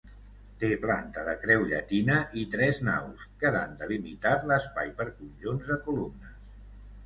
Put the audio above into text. Té planta de creu llatina i tres naus, quedant delimitat l'espai per conjunts de columnes.